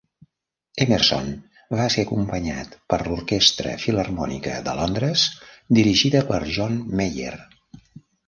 Emerson va ser acompanyat per l'Orquestra Filharmònica de Londres, dirigida per John Mayer.